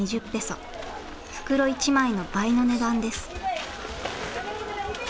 袋１枚の倍の値段です。